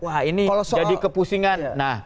wah ini jadi kepusingan